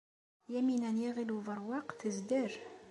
Yamina n Yiɣil Ubeṛwaq tezder.